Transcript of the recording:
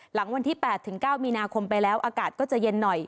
หลังวันที่๘ถึง๙มีนาคมไปแล้วอากาศก็จะเย็นหน่อย